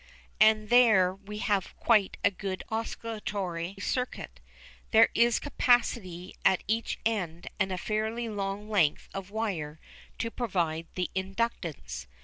And there we have quite a good oscillatory circuit. There is capacity at each end and a fairly long length of wire to provide the inductance.